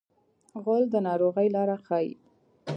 غول د ناروغۍ لاره ښيي.